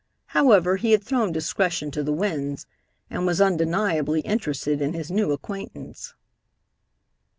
However, he had thrown discretion to the winds, and was undeniably interested in his new acquaintance.